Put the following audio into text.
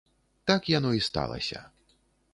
Так яно і сталася.